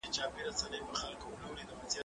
زه مخکي شګه پاکه کړې وه؟!